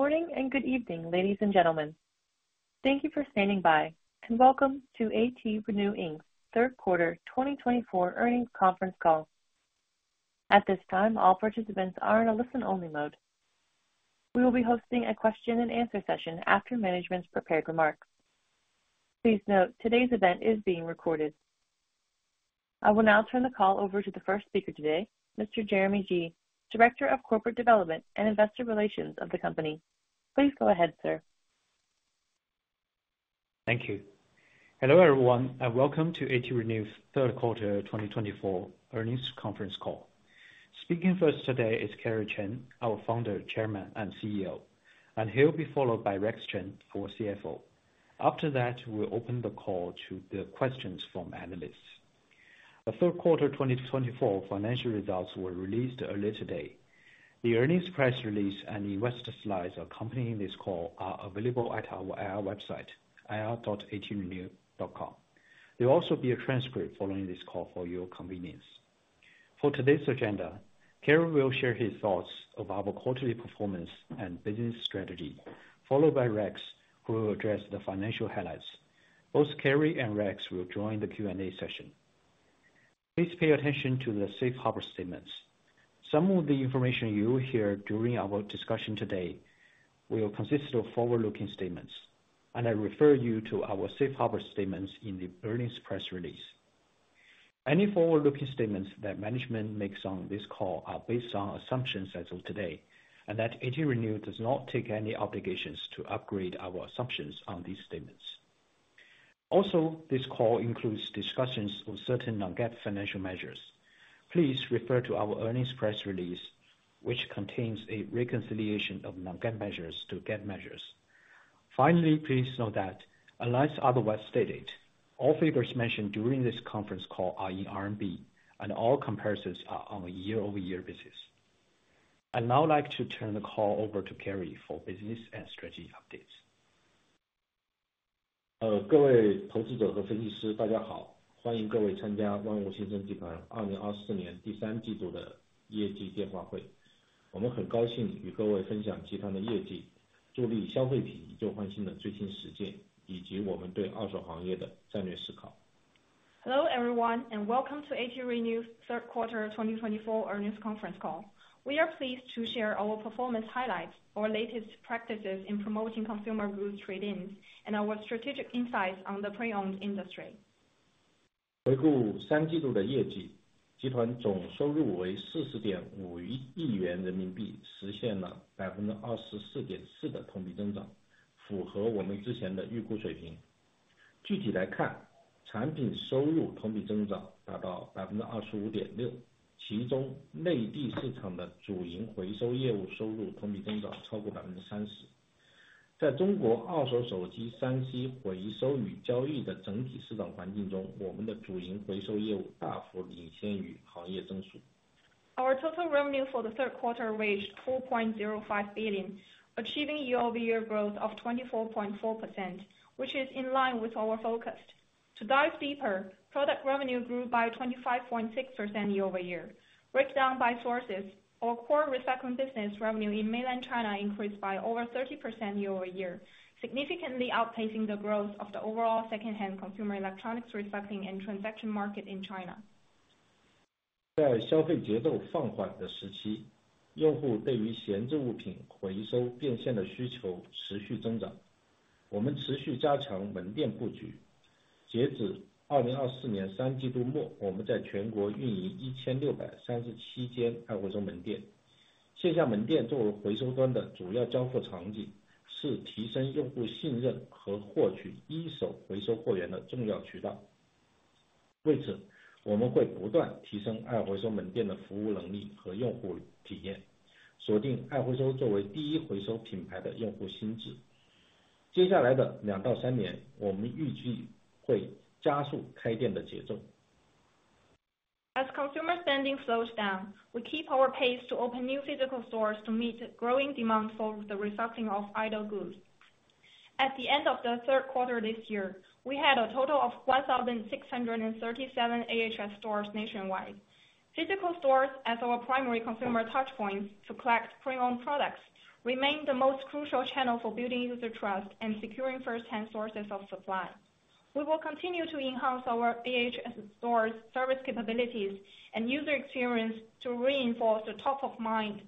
Good morning and good evening, ladies and gentlemen. Thank you for standing by, and welcome to ATRenew Inc.'s third quarter 2024 earnings conference call. At this time, all participants are in a listen-only mode. We will be hosting a question-and-answer session after management's prepared remarks. Please note, today's event is being recorded. I will now turn the call over to the first speaker today, Mr. Jeremy Ji, Director of Corporate Development and Investor Relations of the company. Please go ahead, sir. Thank you. Hello everyone, and welcome to ATRenew's third quarter 2024 earnings conference call. Speaking first today is Kerry Chen, our founder, chairman, and CEO, and he'll be followed by Rex Chen, our CFO. After that, we'll open the call to the questions from analysts. The third quarter 2024 financial results were released earlier today. The earnings press release and investor slides accompanying this call are available at our IR website, ir.atrenew.com. There will also be a transcript following this call for your convenience. For today's agenda, Kerry will share his thoughts of our quarterly performance and business strategy, followed by Rex, who will address the financial highlights. Both Kerry and Rex will join the Q&A session. Please pay attention to the safe harbor statements. Some of the information you will hear during our discussion today will consist of forward-looking statements, and I refer you to our safe harbor statements in the earnings press release. Any forward-looking statements that management makes on this call are based on assumptions as of today, and that ATRenew does not take any obligations to upgrade our assumptions on these statements. Also, this call includes discussions of certain non-GAAP financial measures. Please refer to our earnings press release, which contains a reconciliation of non-GAAP measures to GAAP measures. Finally, please note that, unless otherwise stated, all figures mentioned during this conference call are in RMB, and all comparisons are on a year-over-year basis. I'd now like to turn the call over to Kerry for business and strategy updates. 各位投资者和分析师，大家好。欢迎各位参加万物新生集团2024年第三季度的业绩电话会。我们很高兴与各位分享集团的业绩，助力消费品以旧换新的最新实践，以及我们对二手行业的战略思考。Hello everyone, and welcome to ATRenew's third quarter 2024 earnings conference call. We are pleased to share our performance highlights, our latest practices in promoting consumer goods trade-ins, and our strategic insights on the pre-owned industry. 回顾三季度的业绩，集团总收入为40.5亿元人民币，实现了24.4%的同比增长，符合我们之前的预估水平。具体来看，产品收入同比增长达到25.6%，其中内地市场的主营回收业务收入同比增长超过30%。在中国二手手机3C回收与交易的整体市场环境中，我们的主营回收业务大幅领先于行业增速。Our total revenue for the third quarter raised CNY 4.05 billion, achieving year-over-year growth of 24.4%, which is in line with our focus. To dive deeper, product revenue grew by 25.6% year-over-year. Breakdown by sources, our core recycling business revenue in mainland China increased by over 30% year-over-year, significantly outpacing the growth of the overall second-hand consumer electronics recycling and transaction market in China. As consumer spending slows down, we keep our pace to open new physical stores to meet growing demand for the recycling of idle goods. At the end of the third quarter this year, we had a total of 1,637 AHS stores nationwide. Physical stores, as our primary consumer touchpoints to collect pre-owned products, remain the most crucial channel for building user trust and securing first-hand sources of supply. We will continue to enhance our AHS stores' service capabilities and user experience to reinforce the top-of-mind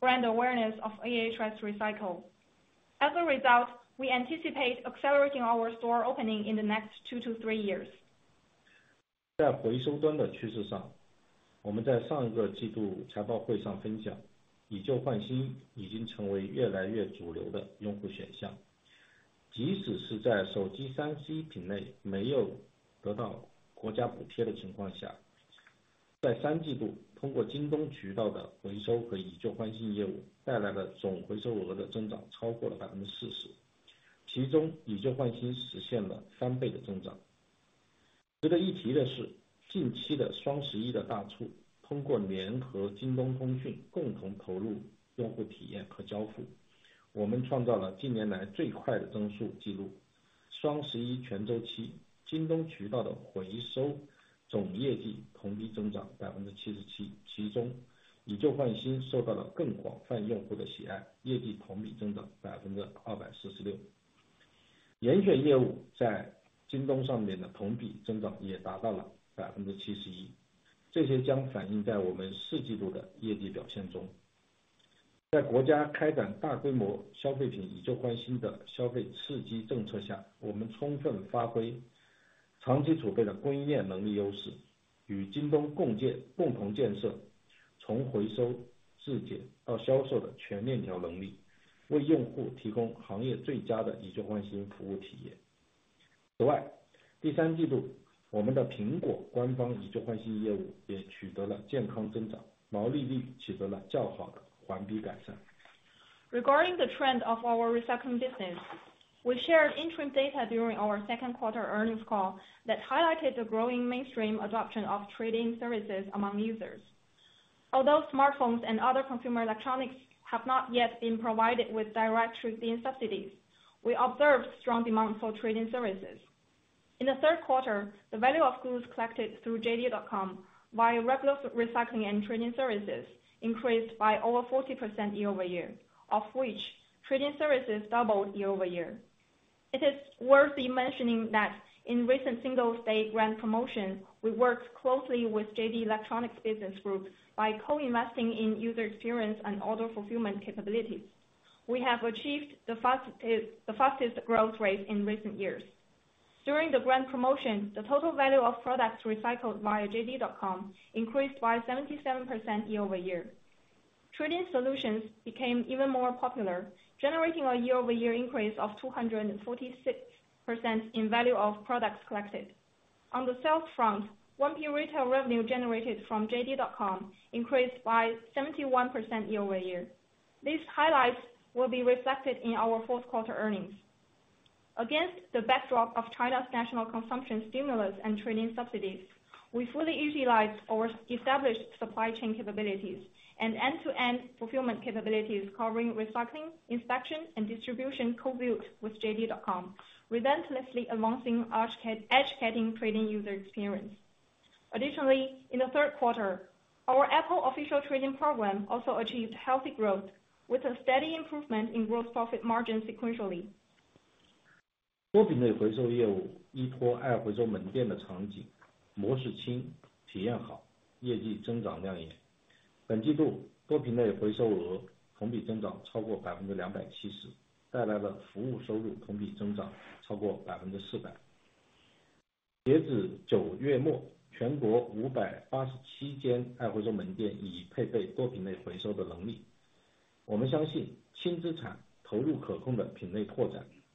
brand awareness of AHS Recycle. As a result, we anticipate accelerating our store opening in the next two to three years. Regarding the trend of our recycling business, we shared interim data during our second quarter earnings call that highlighted the growing mainstream adoption of trade-in services among users. Although smartphones and other consumer electronics have not yet been provided with direct trade-in subsidies, we observed strong demand for trade-in services. In the third quarter, the value of goods collected through JD.com via regular recycling and trade-in services increased by over 40% year-over-year, of which trade-in services doubled year-over-year. It is worth mentioning that in recent Singles' Day grand promotions, we worked closely with JD Electronics Business Group by co-investing in user experience and order fulfillment capabilities. We have achieved the fastest growth rate in recent years. During the grant promotion, the total value of products recycled via JD.com increased by 77% year-over-year. Trade-in solutions became even more popular, generating a year-over-year increase of 246% in value of products collected. On the sales front, 1P retail revenue generated from JD.com increased by 71% year-over-year. These highlights will be reflected in our fourth quarter earnings. Against the backdrop of China's national consumption stimulus and trade-in subsidies, we fully utilized our established supply chain capabilities and end-to-end fulfillment capabilities covering recycling, inspection, and distribution co-built with JD.com, relentlessly advancing cutting-edge trade-in user experience. Additionally, in the third quarter, our Apple official trade-in program also achieved healthy growth, with a steady improvement in gross profit margin sequentially.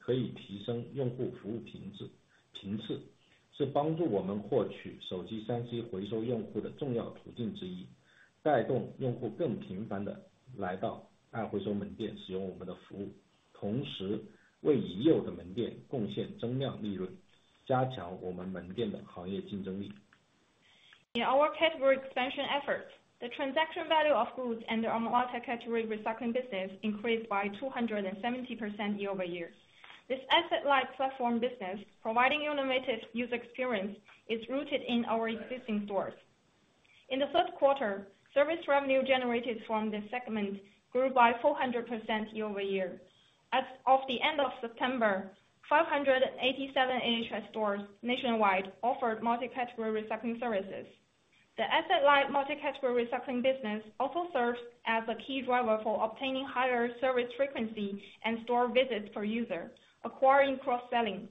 In our category expansion efforts, the transaction value of goods and the unallotted category recycling business increased by 270% year-over-year. This asset-like platform business, providing innovative user experience, is rooted in our existing stores. In the third quarter, service revenue generated from this segment grew by 400% year-over-year. As of the end of September, 587 AHS stores nationwide offered multi-category recycling services. The asset-like multi-category recycling business also serves as a key driver for obtaining higher service frequency and store visits per user, acquiring cross-selling.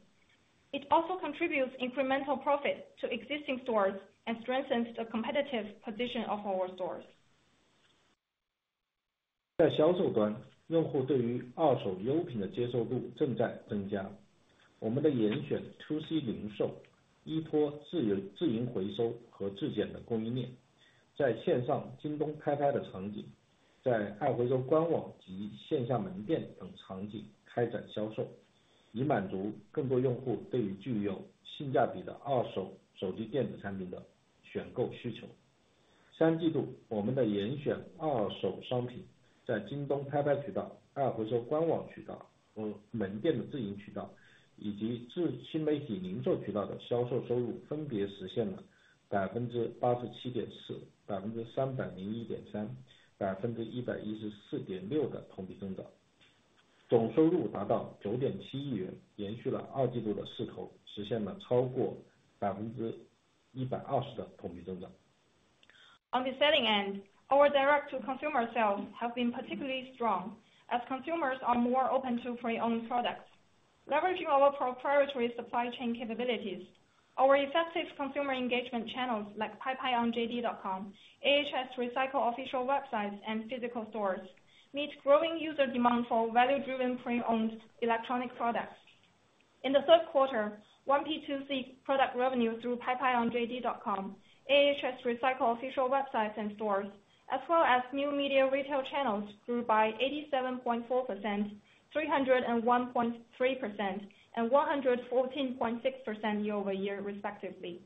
It also contributes incremental profit to existing stores and strengthens the competitive position of our stores. On the selling end, our direct-to-consumer sales have been particularly strong, as consumers are more open to pre-owned products. Leveraging our proprietary supply chain capabilities, our effective consumer engagement channels like Paipai on JD.com, AHS Recycle official websites, and physical stores meet growing user demand for value-driven pre-owned electronic products. In the third quarter, 1P product revenue through Paipai on JD.com, AHS Recycle official websites and stores, as well as new media retail channels grew by 87.4%, 301.3%, and 114.6% year-over-year, respectively.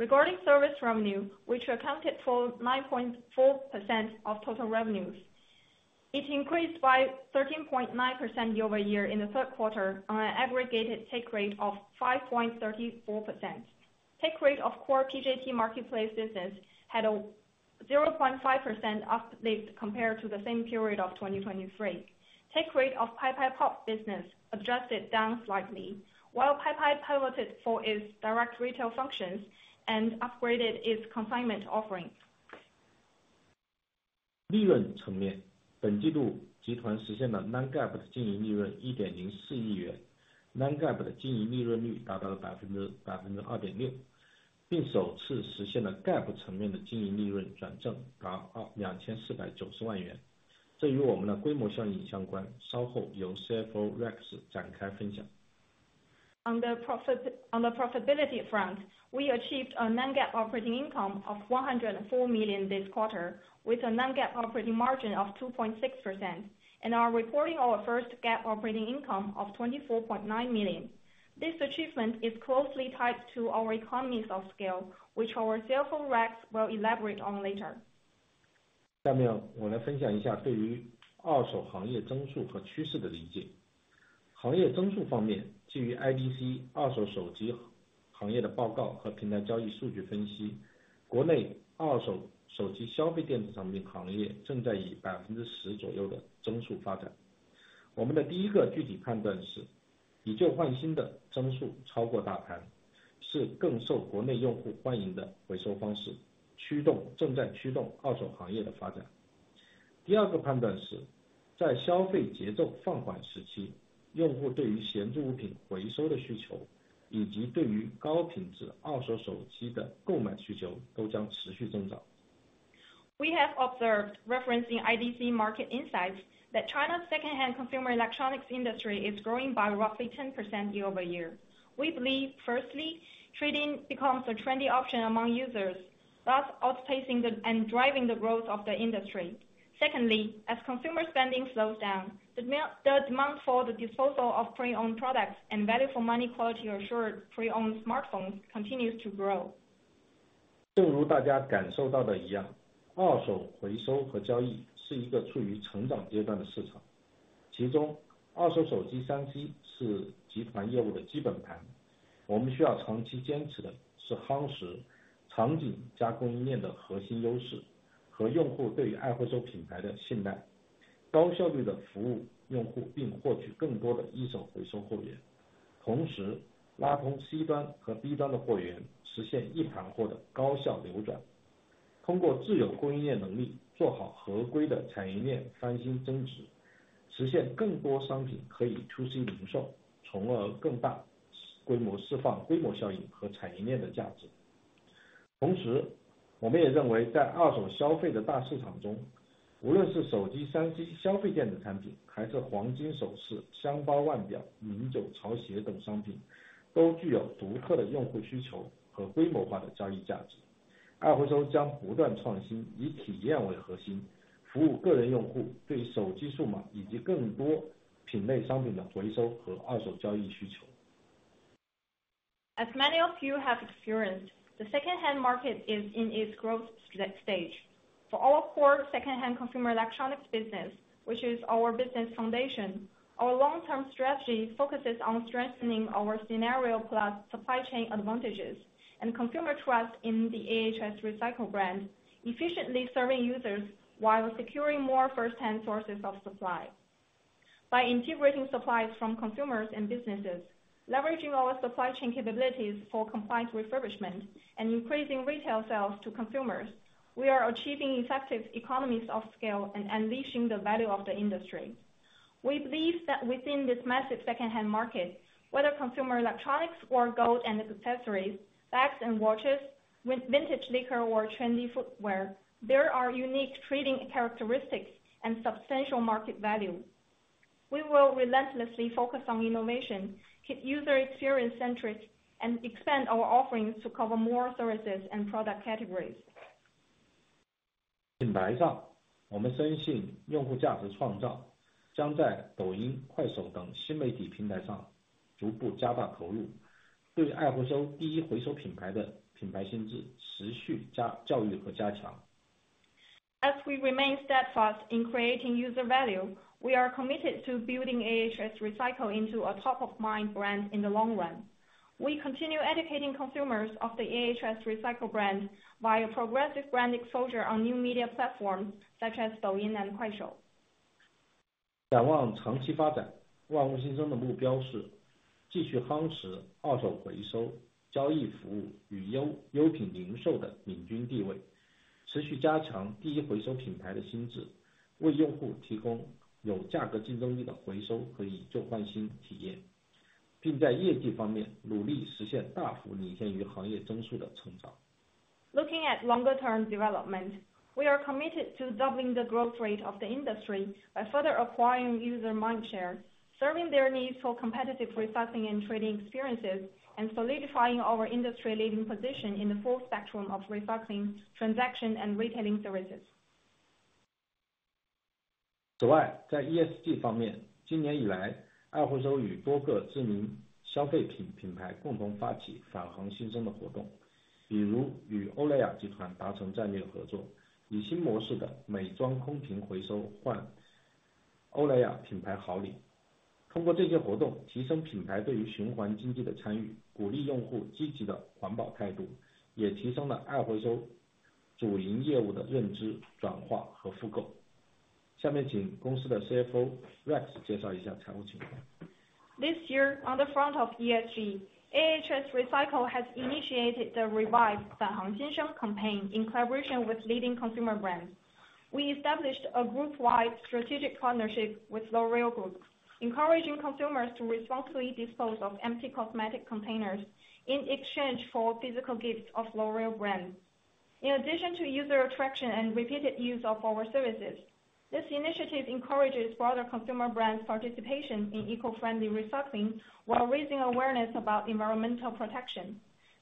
Regarding service revenue, which accounted for 9.4% of total revenues, it increased by 13.9% year-over-year in the third quarter on an aggregated take rate of 5.34%. Take rate of core Paipai Marketplace business had a 0.5% uplift compared to the same period of 2023. Take rate of Paipai POP business adjusted down slightly, while Paipai pivoted for its direct retail functions and upgraded its consignment offering. 利润层面，本季度集团实现了Non-GAAP的经营利润1.04亿元，Non-GAAP的经营利润率达到了2.6%，并首次实现了GAAP层面的经营利润转正，达2,490万元。这与我们的规模效应相关，稍后由CFO Rex展开分享。On the profitability front, we achieved a Non-GAAP operating income of 104 million this quarter, with a Non-GAAP operating margin of 2.6%, and are reporting our first GAAP operating income of 24.9 million. This achievement is closely tied to our economies of scale, which our CFO Rex will elaborate on later. We have observed, referencing IDC market insights, that China's second-hand consumer electronics industry is growing by roughly 10% year-over-year. We believe, firstly, trading becomes a trendy option among users, thus outpacing and driving the growth of the industry. Secondly, as consumer spending slows down, the demand for the disposal of pre-owned products and value-for-money quality assured pre-owned smartphones continues to grow. As many of you have experienced, the second-hand market is in its growth stage. For our core second-hand consumer electronics business, which is our business foundation, our long-term strategy focuses on strengthening our scenario plus supply chain advantages and consumer trust in the AHS Recycle brand, efficiently serving users while securing more first-hand sources of supply. By integrating supplies from consumers and businesses, leveraging our supply chain capabilities for compliance refurbishment, and increasing retail sales to consumers, we are achieving effective economies of scale and unleashing the value of the industry. We believe that within this massive second-hand market, whether consumer electronics or gold and accessories, bags and watches, vintage liquor or trendy footwear, there are unique trading characteristics and substantial market value. We will relentlessly focus on innovation, keep user experience centric, and expand our offerings to cover more services and product categories. 品牌上，我们深信用户价值创造将在抖音、快手等新媒体平台上逐步加大投入，对二手第一回收品牌的品牌心智持续教育和加强。As we remain steadfast in creating user value, we are committed to building AHS Recycle into a top-of-mind brand in the long run. We continue educating consumers of the AHS Recycle brand via progressive brand exposure on new media platforms such as Douyin and Kuaishou. 展望长期发展，万物新生的目标是继续夯实二手回收交易服务与优品零售的领军地位，持续加强第一回收品牌的心智，为用户提供有价格竞争力的回收和以旧换新体验，并在业绩方面努力实现大幅领先于行业增速的成长。Looking at longer-term development, we are committed to doubling the growth rate of the industry by further acquiring user mindshares, serving their needs for competitive recycling and trading experiences, and solidifying our industry-leading position in the full spectrum of recycling, transaction, and retailing services. 此外，在ESG方面，今年以来，二手与多个知名消费品品牌共同发起返航新生的活动，比如与欧莱雅集团达成战略合作，以新模式的美妆空瓶回收换欧莱雅品牌好礼。通过这些活动提升品牌对于循环经济的参与，鼓励用户积极的环保态度，也提升了二手回收主营业务的认知转化和复购。下面请公司的CFO Rex介绍一下财务情况。This year, on the front of ESG, AHS Recycle has initiated the Revive 返航新生 campaign in collaboration with leading consumer brands. We established a group-wide strategic partnership with L'Oréal Group, encouraging consumers to responsibly dispose of empty cosmetic containers in exchange for physical gifts of L'Oréal brands. In addition to user attraction and repeated use of our services, this initiative encourages broader consumer brands' participation in eco-friendly recycling while raising awareness about environmental protection.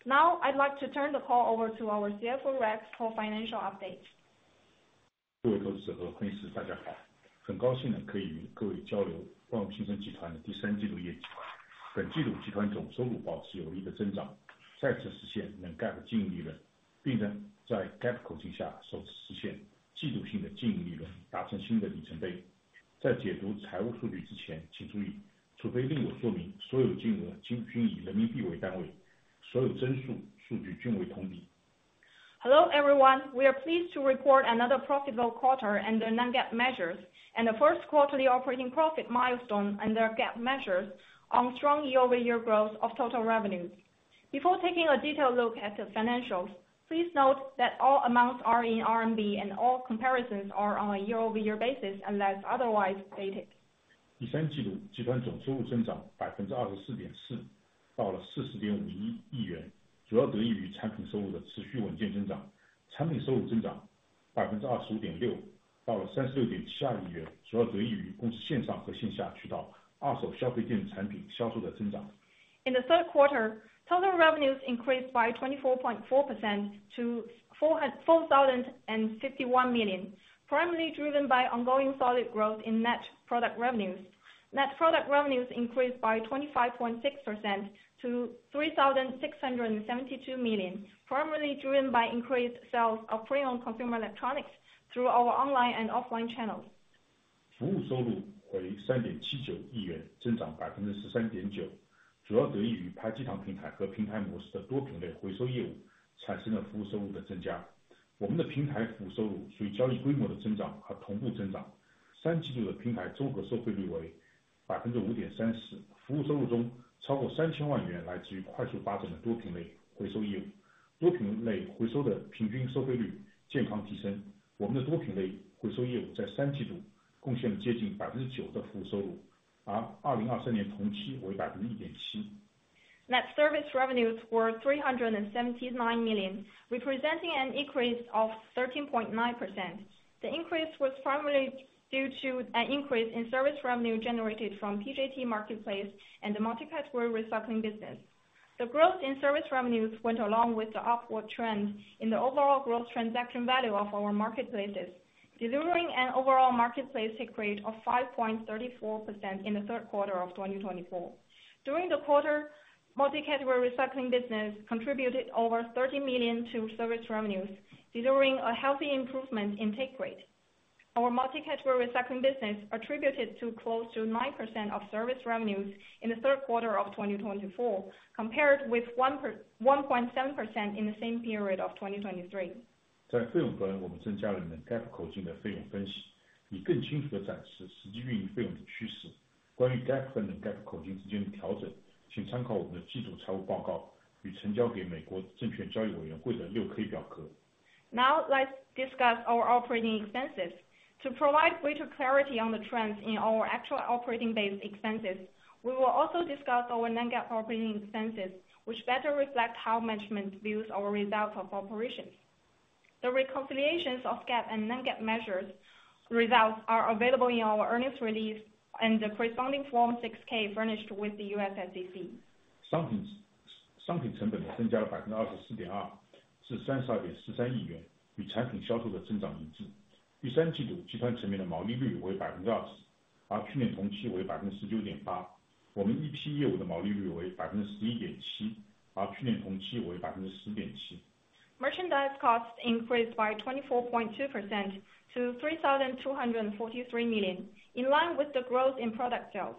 Now, I'd like to turn the call over to our CFO, Rex for financial updates. 各位投资者好，同时大家好。很高兴可以与各位交流万物新生集团的第三季度业绩。本季度集团总收入保持有利的增长，再次实现Non-GAAP经营利润，并在GAAP口径下首次实现季度性的经营利润，达成新的里程碑。在解读财务数据之前，请注意，除非另有说明，所有金额均以人民币为单位，所有增速数据均为同比。Hello everyone, we are pleased to record another profitable quarter and the Non-GAAP measures, and the first quarterly operating profit milestone and their GAAP measures on strong year-over-year growth of total revenues. Before taking a detailed look at the financials, please note that all amounts are in RMB and all comparisons are on a year-over-year basis unless otherwise stated. 第三季度集团总收入增长24.4%，到了40.51亿元，主要得益于产品收入的持续稳健增长。产品收入增长25.6%，到了36.72亿元，主要得益于公司线上和线下渠道二手消费电子产品销售的增长。In the third quarter, total revenues increased by 24.4% to 4,051 million, primarily driven by ongoing solid growth in net product revenues. Net product revenues increased by 25.6% to 3,672 million, primarily driven by increased sales of pre-owned consumer electronics through our online and offline channels. Net service revenues were 379 million, representing an increase of 13.9%. The increase was primarily due to an increase in service revenue generated from Paipai Marketplace and the multi-category recycling business. The growth in service revenues went along with the upward trend in the overall gross transaction value of our marketplaces, delivering an overall marketplace take rate of 5.34% in the third quarter of 2024. During the quarter, multi-category recycling business contributed over 30 million to service revenues, delivering a healthy improvement in take rate. Our multi-category recycling business attributed to close to 9% of service revenues in the third quarter of 2024, compared with 1.7% in the same period of 2023. 在费用端，我们增加了Non-GAAP口径的费用分析，以更清楚地展示实际运营费用的趋势。关于GAAP和Non-GAAP口径之间的调整，请参考我们的季度财务报告与成交给美国证券交易委员会的6K表格。Now, let's discuss our operating expenses. To provide greater clarity on the trends in our actual operating base expenses, we will also discuss our Non-GAAP operating expenses, which better reflect how management views our results of operations. The reconciliations of GAAP and Non-GAAP measures results are available in our earnings release and the corresponding Form 6K furnished with the U.S. SEC. 商品成本增加了24.2%，至32.43亿元，与产品销售的增长一致。第三季度集团成员的毛利率为20%，而去年同期为19.8%。我们EP业务的毛利率为11.7%，而去年同期为10.7%。Merchandise cost increased by 24.2% to 3,243 million, in line with the growth in product sales.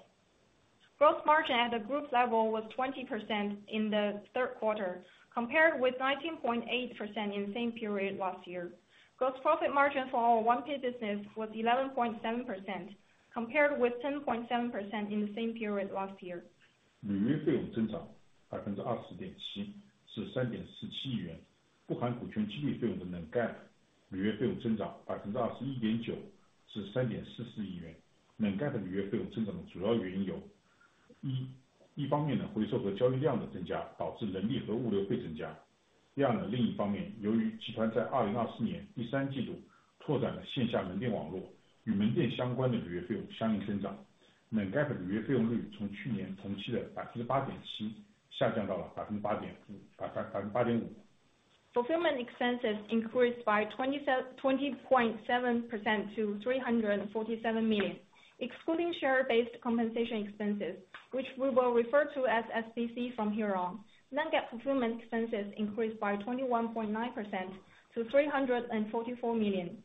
Gross margin at the group level was 20% in the third quarter, compared with 19.8% in the same period last year. Gross profit margin for our 1P business was 11.7%, compared with 10.7% in the same period last year. 履约费用增长20.7%，至3.47亿元。不含股权激励费用的Non-GAAP履约费用增长21.9%，至3.44亿元。Non-GAAP履约费用增长的主要原因有：一、一方面回收和交易量的增加导致人力和物流费增加；二、另一方面，由于集团在2024年第三季度拓展了线下门店网络，与门店相关的履约费用相应增长。Non-GAAP履约费用率从去年同期的8.7%下降到了8.5%。Fulfillment expenses increased by 20.7% to 347 million, excluding share-based compensation expenses, which we will refer to as SBC from here on. Non-GAAP fulfillment expenses increased by 21.9% to 344 million.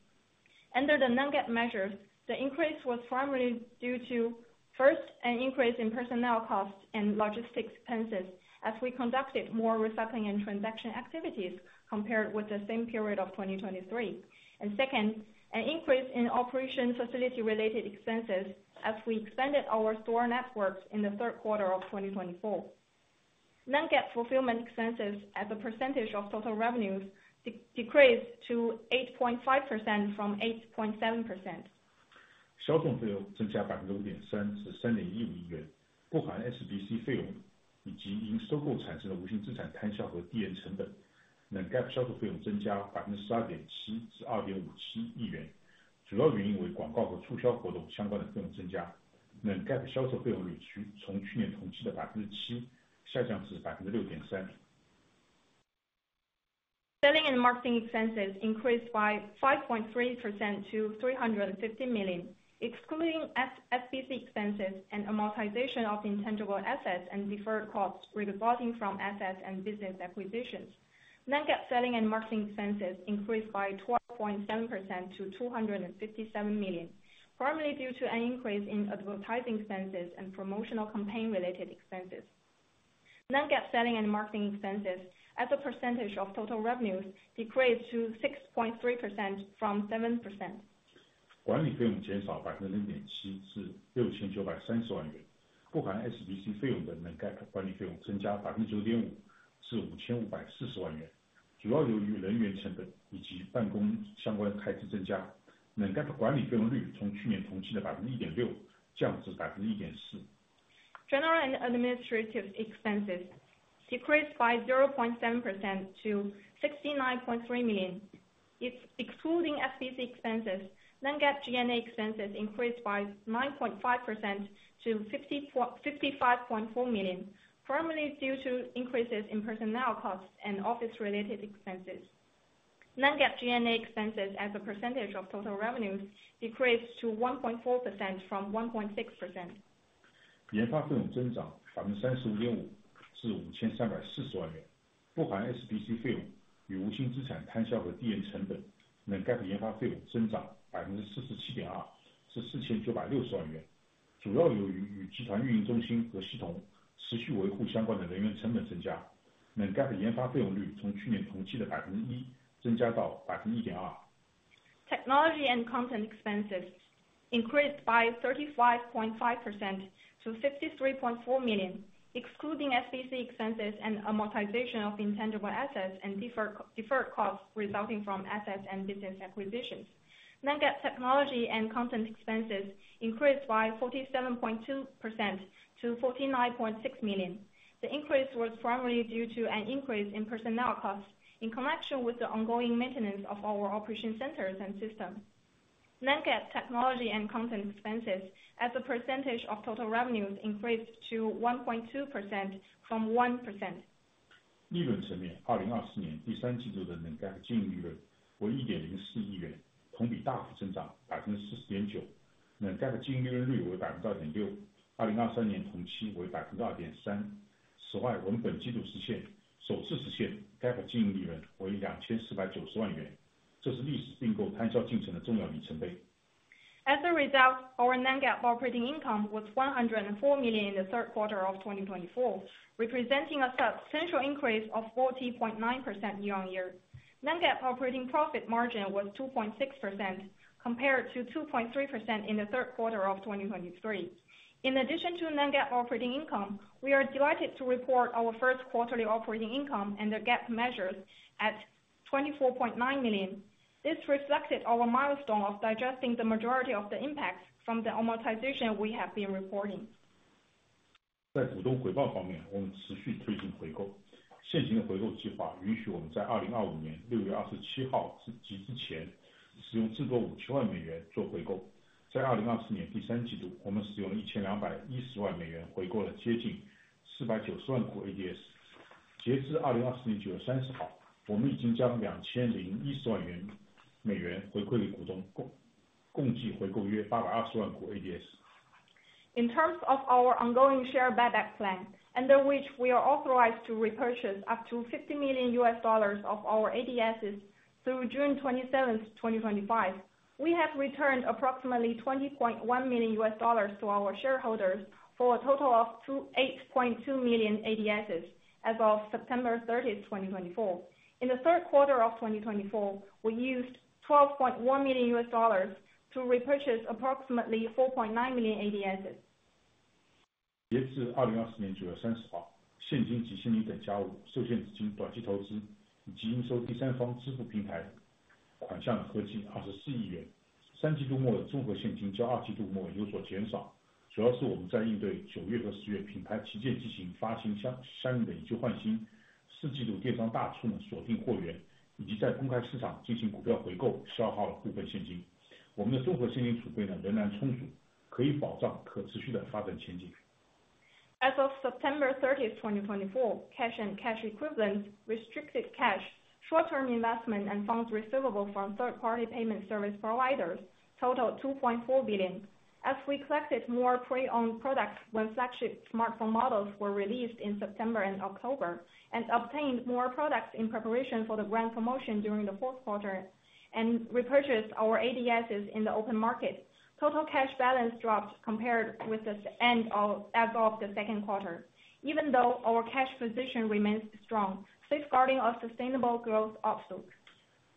Under the Non-GAAP measures, the increase was primarily due to, first, an increase in personnel costs and logistics expenses as we conducted more recycling and transaction activities compared with the same period of 2023, and second, an increase in operation facility-related expenses as we expanded our store networks in the third quarter of 2024. Non-GAAP fulfillment expenses as a percentage of total revenues decreased to 8.5% from 8.7%. 销售费用增加5.3%至3.15亿元，不含SBC费用以及因收购产生的无形资产摊销和递延成本。Non-GAAP销售费用增加12.7%至2.57亿元，主要原因为广告和促销活动相关的费用增加。Non-GAAP销售费用率从去年同期的7%下降至6.3%。Selling and marketing expenses increased by 5.3% to 350 million, excluding SBC expenses and amortization of intangible assets and deferred costs resulting from assets and business acquisitions. Non-GAAP selling and marketing expenses increased by 12.7% to 257 million, primarily due to an increase in advertising expenses and promotional campaign-related expenses. Non-GAAP selling and marketing expenses as a percentage of total revenues decreased to 6.3% from 7%. 管理费用减少0.7%至6,930万元，不含SBC费用的Non-GAAP管理费用增加9.5%至5,540万元，主要由于人员成本以及办公相关开支增加。Non-GAAP管理费用率从去年同期的1.6%降至1.4%。General and administrative expenses decreased by 0.7% to 69.3 million. Excluding SBC expenses, non-GAAP G&A expenses increased by 9.5% to 55.4 million, primarily due to increases in personnel costs and office-related expenses. Non-GAAP G&A expenses as a percentage of total revenues decreased to 1.4% from 1.6%. 研发费用增长35.5%至5,340万元，不含SBC费用与无形资产摊销和递延成本。Non-GAAP研发费用增长47.2%至4,960万元，主要由于与集团运营中心和系统持续维护相关的人员成本增加。Non-GAAP研发费用率从去年同期的1%增加到1.2%。Technology and content expenses increased by 35.5% to 53.4 million, excluding SBC expenses and amortization of intangible assets and deferred costs resulting from assets and business acquisitions. Non-GAAP technology and content expenses increased by 47.2% to 49.6 million. The increase was primarily due to an increase in personnel costs in connection with the ongoing maintenance of our operation centers and systems. Non-GAAP technology and content expenses as a percentage of total revenues increased to 1.2% from 1%. 利润层面，2024年第三季度的Non-GAAP经营利润为1.04亿元，同比大幅增长40.9%。Non-GAAP经营利润率为2.6%，2023年同期为2.3%。此外，我们本季度实现首次实现GAAP经营利润为2,490万元，这是历史并购摊销进程的重要里程碑。As a result, our Non-GAAP operating income was 104 million in the third quarter of 2024, representing a substantial increase of 40.9% year-on-year. Non-GAAP operating profit margin was 2.6%, compared to 2.3% in the third quarter of 2023. In addition to Non-GAAP operating income, we are delighted to report our first quarterly operating income and the GAAP measures at 24.9 million. This reflected our milestone of digesting the majority of the impacts from the amortization we have been reporting. 在股东回报方面，我们持续推进回购。现行的回购计划允许我们在2025年6月27号及之前使用至多5,000万美元做回购。在2024年第三季度，我们使用了1,210万美元回购了接近490万股ADS。截至2024年9月30号，我们已经将2,010万美元回馈给股东，共计回购约820万股ADS。In terms of our ongoing share buyback plan, under which we are authorized to repurchase up to $50 million of our ADSs through June 27, 2025, we have returned approximately $20.1 million to our shareholders for a total of 8.2 million ADSs as of September 30, 2024. In the third quarter of 2024, we used $12.1 million to repurchase approximately 4.9 million ADSs. 截至2024年9月30号，现金及现金等价物、受限资金、短期投资以及应收第三方支付平台款项合计24亿元。三季度末的综合现金较二季度末有所减少，主要是我们在应对9月和10月品牌旗舰机型发行相应的以旧换新、四季度电商大促锁定货源，以及在公开市场进行股票回购消耗了部分现金。我们的综合现金储备仍然充足，可以保障可持续的发展前景。As of September 30, 2024, cash and cash equivalents, restricted cash, short-term investment, and funds receivable from third-party payment service providers totaled 2.4 billion. As we collected more pre-owned products when flagship smartphone models were released in September and October, and obtained more products in preparation for the grand promotion during the fourth quarter, and repurchased our ADSs in the open market, total cash balance dropped compared with the end as of the second quarter, even though our cash position remains strong, safeguarding a sustainable growth upswing.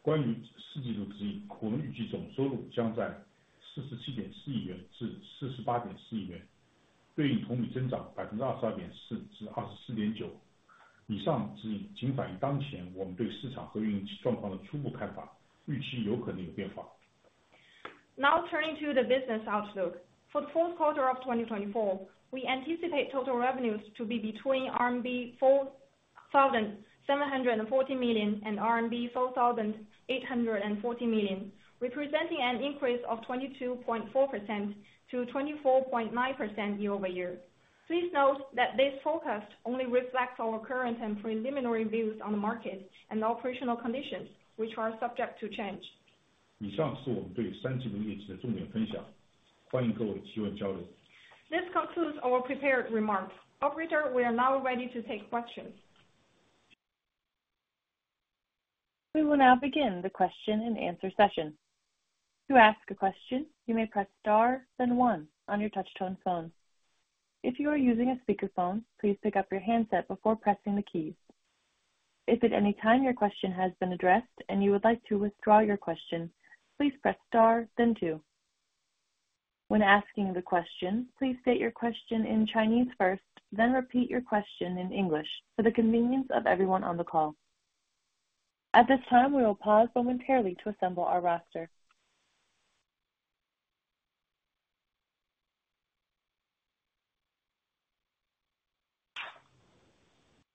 关于四季度资金，股东预计总收入将在47.4亿元至48.4亿元，对应同比增长22.4%至24.9%。以上资金仅反映当前我们对市场和运营状况的初步看法，预期有可能有变化。Now, turning to the business outlook. For the fourth quarter of 2024, we anticipate total revenues to be between RMB 4,740 million and RMB 4,840 million, representing an increase of 22.4% to 24.9% year-over-year. Please note that this forecast only reflects our current and preliminary views on the market and operational conditions, which are subject to change. 以上是我们对三季度业绩的重点分享，欢迎各位提问交流。This concludes our prepared remarks. Operator, we are now ready to take questions. We will now begin the question and answer session. To ask a question, you may press star, then one on your touch-tone phone. If you are using a speakerphone, please pick up your handset before pressing the keys. If at any time your question has been addressed and you would like to withdraw your question, please press star, then two. When asking the question, please state your question in Chinese first, then repeat your question in English for the convenience of everyone on the call. At this time, we will pause momentarily to assemble our roster.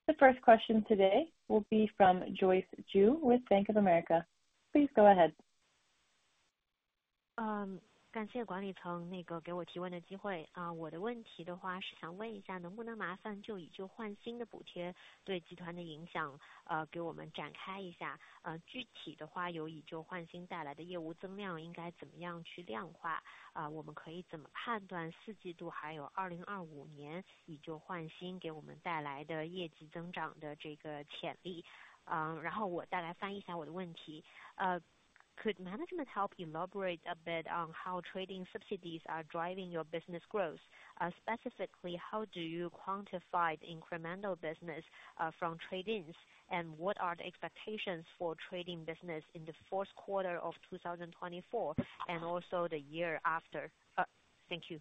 The first question today will be from Joyce Ju with Bank of America. Please go ahead. 感谢管理层给我提问的机会。我的问题是想问一下，能不能麻烦就以旧换新的补贴对集团的影响给我们展开一下。具体的话，由以旧换新带来的业务增量应该怎么样去量化，我们可以怎么判断四季度还有2025年以旧换新给我们带来的业绩增长的这个潜力。然后我大概翻一下我的问题。Could management help elaborate a bit on how trade-in subsidies are driving your business growth? Specifically, how do you quantify the incremental business from trade-ins, and what are the expectations for trade-in business in the fourth quarter of 2024 and also the year after? Thank you.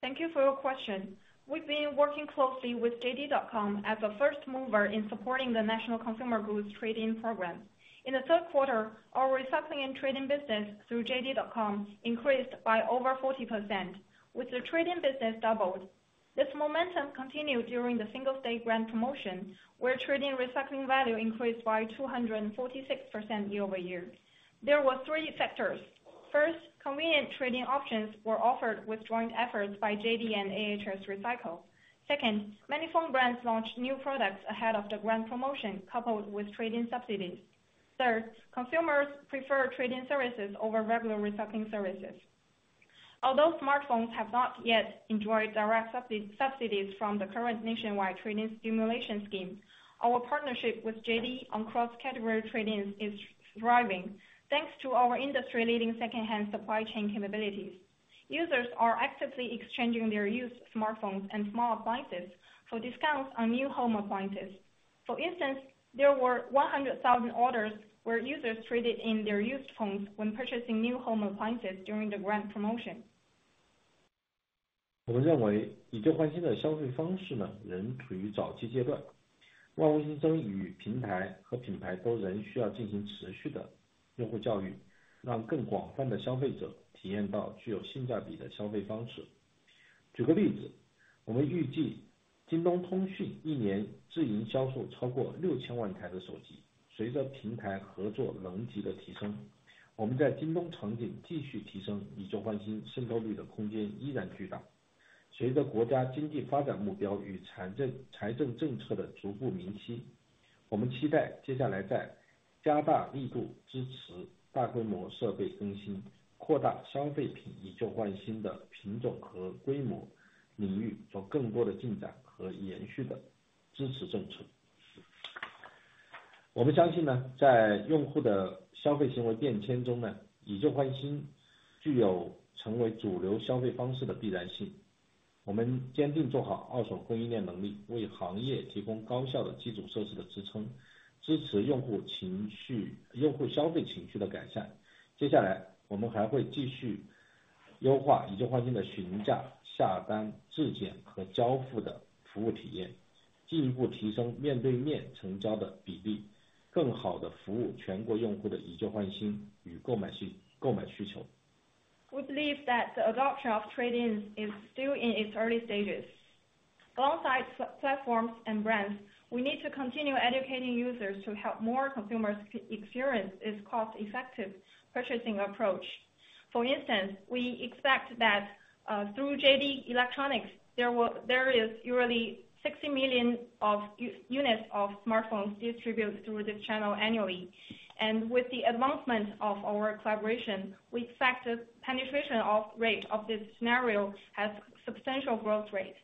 Thank you for your question. We've been working closely with JD.com as a first mover in supporting the National Consumer Goods Trading Program. In the third quarter, our recycling and trading business through JD.com increased by over 40%, with the trading business doubled. This momentum continued during the Singles' Day grand promotion, where trading recycling value increased by 246% year-over-year. There were three factors. First, convenient trading options were offered with joint efforts by JD and AHS Recycle. Second, many phone brands launched new products ahead of the grand promotion coupled with trading subsidies. Third, consumers prefer trading services over regular recycling services. Although smartphones have not yet enjoyed direct subsidies from the current nationwide trading stimulation scheme, our partnership with JD on cross-category tradings is thriving thanks to our industry-leading second-hand supply chain capabilities. Users are actively exchanging their used smartphones and small appliances for discounts on new home appliances. For instance, there were 100,000 orders where users traded in their used phones when purchasing new home appliances during the grant promotion. We believe that the adoption of trading is still in its early stages. Alongside platforms and brands, we need to continue educating users to help more consumers experience this cost-effective purchasing approach. For instance, we expect that through JD Electronics, there is usually 60 million units of smartphones distributed through this channel annually. And with the advancement of our collaboration, we expect the penetration rate of this scenario has substantial growth rates.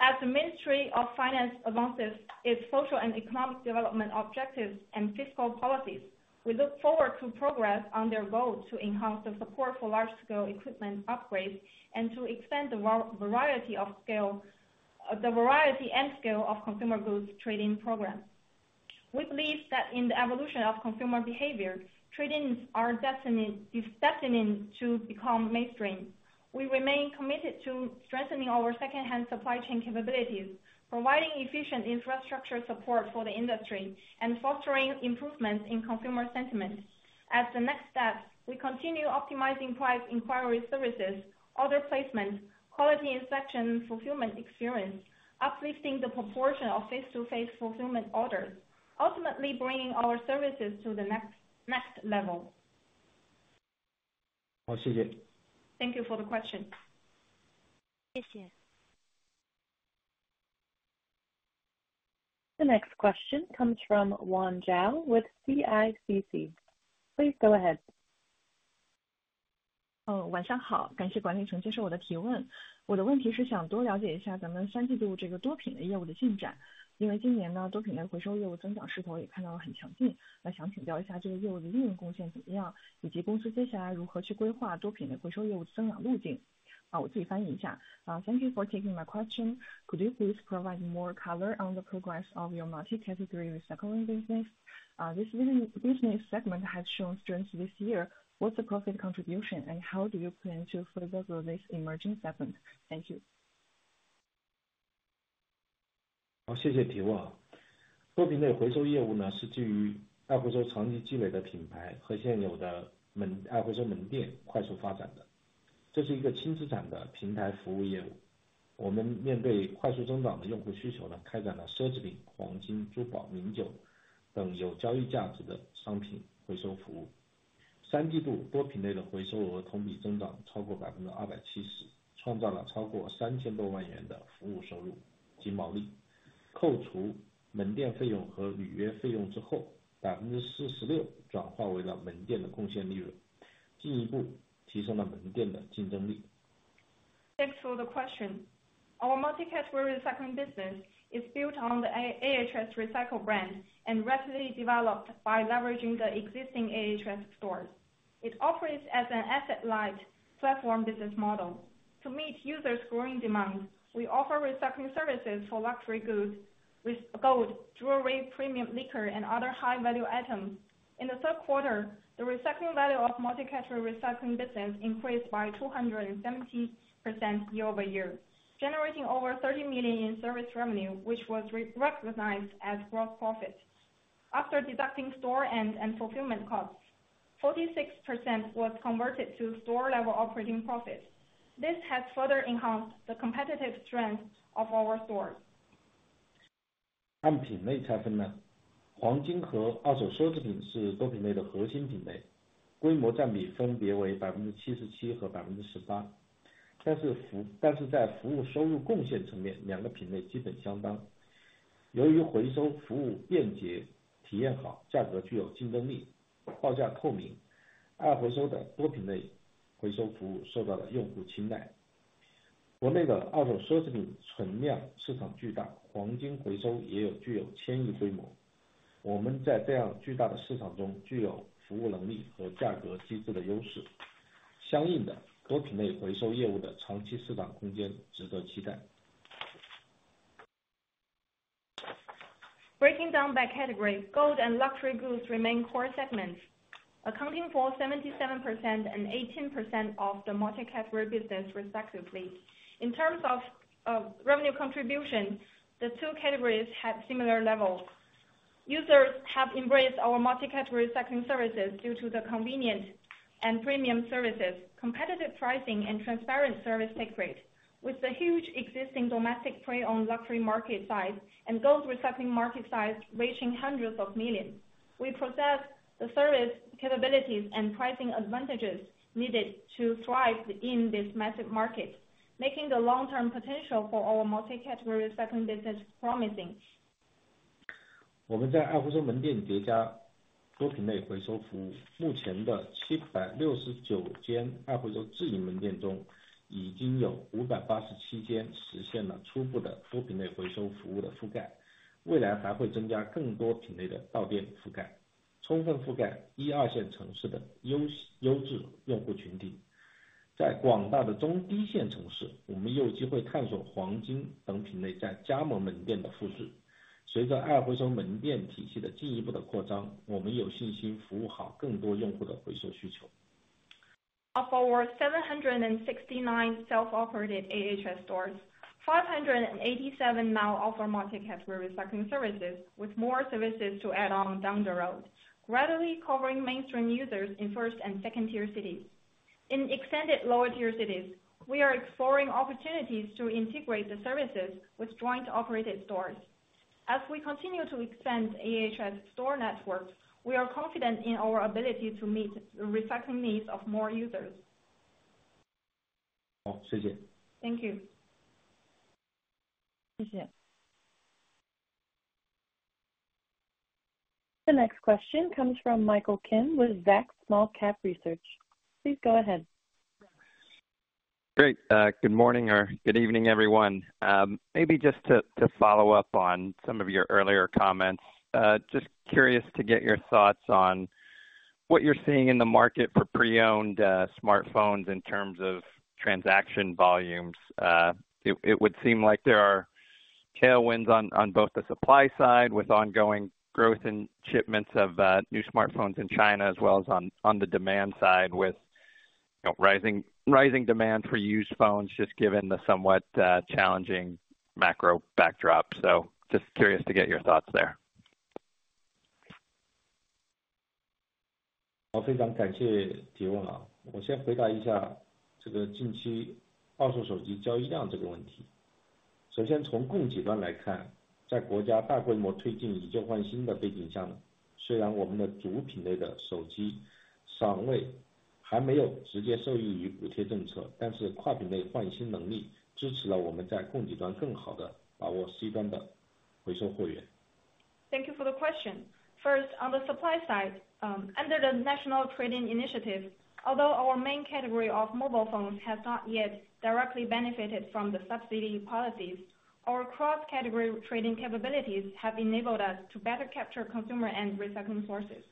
As the Ministry of Finance advances its social and economic development objectives and fiscal policies, we look forward to progress on their goal to enhance the support for large-scale equipment upgrades and to extend the variety and scale of consumer goods trading programs. We believe that in the evolution of consumer behavior, trading is destined to become mainstream. We remain committed to strengthening our second-hand supply chain capabilities, providing efficient infrastructure support for the industry, and fostering improvements in consumer sentiment. As the next step, we continue optimizing price inquiry services, order placement, quality inspection, fulfillment experience, uplifting the proportion of face-to-face fulfillment orders, ultimately bringing our services to the next level. 好，谢谢。Thank you for the question. 谢谢。The next question comes from Wei Zhao with CICC. Please go ahead. 晚上好，感谢管理层接受我的提问。我的问题是想多了解一下咱们三季度这个多品类业务的进展，因为今年呢，多品类回收业务增长势头也看到了很强劲。那想请教一下这个业务的利润贡献怎么样，以及公司接下来如何去规划多品类回收业务的增长路径。我自己翻译一下。Thank you for taking my question. Could you please provide more color on the progress of your multi-category recycling business? This business segment has shown strength this year. What's the profit contribution, and how do you plan to further grow this emerging segment? Thank you. Thanks for the question. Our multi-category recycling business is built on the AHS Recycle brand and rapidly developed by leveraging the existing AHS stores. It operates as an asset-light platform business model. To meet users' growing demand, we offer recycling services for luxury goods, gold, jewelry, premium liquor, and other high-value items. In the third quarter, the recycling value of multi-category recycling business increased by 270% year-over-year, generating over 30 million in service revenue, which was recognized as gross profit. After deducting store end and fulfillment costs, 46% was converted to store-level operating profit. This has further enhanced the competitive strength of our stores. 商品类差分呢，黄金和二手奢侈品是多品类的核心品类，规模占比分别为77%和18%。但是在服务收入贡献层面，两个品类基本相当。由于回收服务便捷、体验好，价格具有竞争力，报价透明，爱回收的多品类回收服务受到了用户青睐。国内的二手奢侈品存量市场巨大，黄金回收也具有千亿规模。我们在这样巨大的市场中具有服务能力和价格机制的优势。相应的，多品类回收业务的长期市场空间值得期待。Breaking down by category, gold and luxury goods remain core segments, accounting for 77% and 18% of the multi-category business, respectively. In terms of revenue contribution, the two categories have similar levels. Users have embraced our multi-category recycling services due to the convenient and premium services, competitive pricing, and transparent service take rate. With the huge existing domestic pre-owned luxury market size and gold recycling market size reaching hundreds of millions, we possess the service capabilities and pricing advantages needed to thrive in this massive market, making the long-term potential for our multi-category recycling business promising. 我们在爱回收门店叠加多品类回收服务，目前的769间爱回收自营门店中，已经有587间实现了初步的多品类回收服务的覆盖，未来还会增加更多品类的到店覆盖，充分覆盖一二线城市的优质用户群体。在广大的中低线城市，我们有机会探索黄金等品类在加盟门店的复制。随着爱回收门店体系的进一步的扩张，我们有信心服务好更多用户的回收需求。Of our 769 self-operated AHS stores, 587 now offer multi-category recycling services, with more services to add on down the road, gradually covering mainstream users in first- and second-tier cities. In extended lower-tier cities, we are exploring opportunities to integrate the services with joint-operated stores. As we continue to expand AHS store networks, we are confident in our ability to meet the recycling needs of more users. 好，谢谢。Thank you. 谢谢。The next question comes from Michael Kim with Zacks Small-Cap Research. Please go ahead. Great. Good morning or good evening, everyone. Maybe just to follow up on some of your earlier comments, just curious to get your thoughts on what you're seeing in the market for pre-owned smartphones in terms of transaction volumes. It would seem like there are tailwinds on both the supply side with ongoing growth in shipments of new smartphones in China, as well as on the demand side with rising demand for used phones, just given the somewhat challenging macro backdrop. So just curious to get your thoughts there. 好，非常感谢提问。我先回答一下这个近期二手手机交易量这个问题。首先从供给端来看，在国家大规模推进以旧换新的背景下，虽然我们的主品类的手机尚未直接受益于补贴政策，但是跨品类换新能力支持了我们在供给端更好地把握C端的回收货源。Thank you for the question. First, on the supply side, under the National Trading Initiative, although our main category of mobile phones has not yet directly benefited from the subsidy policies, our cross-category trading capabilities have enabled us to better capture consumer and recycling sources.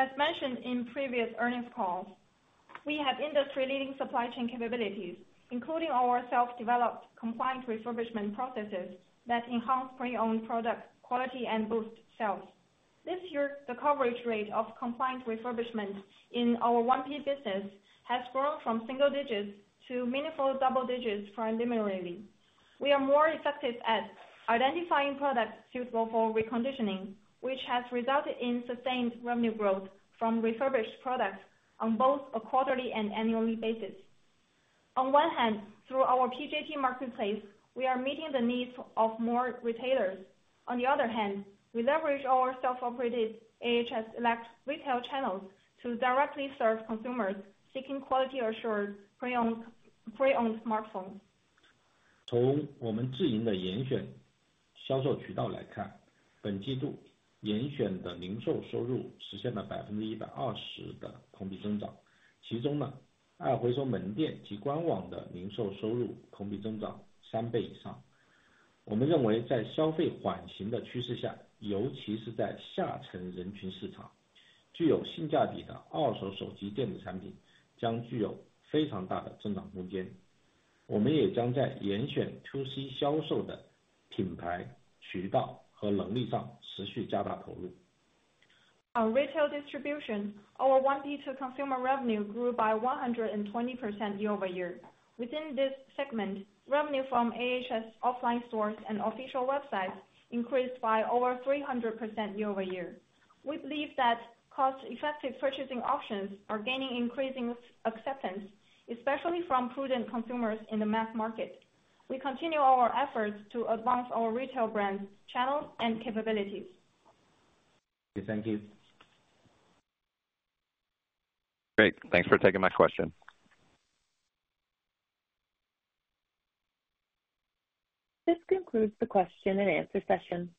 As mentioned in previous earnings calls, we have industry-leading supply chain capabilities, including our self-developed compliant refurbishment processes that enhance pre-owned product quality and boost sales. This year, the coverage rate of compliant refurbishment in our 1P business has grown from single digits to meaningful double digits preliminarily. We are more effective at identifying products suitable for reconditioning, which has resulted in sustained revenue growth from refurbished products on both a quarterly and annually basis. On one hand, through our Paipai Marketplace, we are meeting the needs of more retailers. On the other hand, we leverage our self-operated AHS retail channels to directly serve consumers seeking quality-assured pre-owned smartphones. On retail distribution, our 1P to consumer revenue grew by 120% year-over-year. Within this segment, revenue from AHS offline stores and official websites increased by over 300% year-over-year. We believe that cost-effective purchasing options are gaining increasing acceptance, especially from prudent consumers in the mass market. We continue our efforts to advance our retail brand channels and capabilities. Thank you. Great. Thanks for taking my question. This concludes the question and answer session.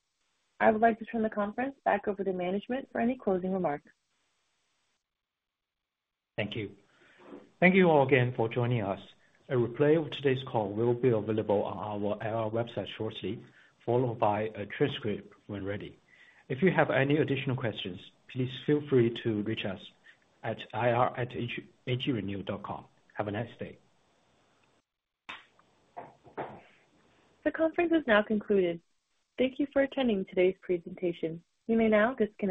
I would like to turn the conference back over to management for any closing remarks. Thank you. Thank you all again for joining us. A replay of today's call will be available on our website shortly, followed by a transcript when ready. If you have any additional questions, please feel free to reach us at ir@atrenew.com. Have a nice day. The conference is now concluded. Thank you for attending today's presentation. You may now disconnect.